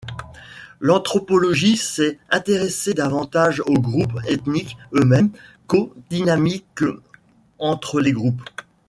L’anthropologie s’est intéressée davantage aux groupes ethniques eux-mêmes qu’aux dynamiques entre les groupes.